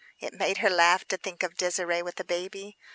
It made her laugh to think of Désirée with a baby.